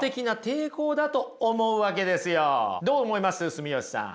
住吉さん。